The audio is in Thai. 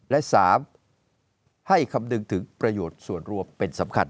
และ๓ให้คำนึงถึงประโยชน์ส่วนรวมเป็นสำคัญ